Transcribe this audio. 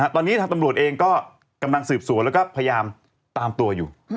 ตอนนี้ทางตำรวจเองก็กำลังสืบสวนแล้วก็พยายามตามตัวอยู่